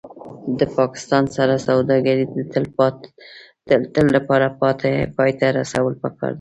د پاکستان سره سوداګري د تل لپاره پای ته رسول پکار دي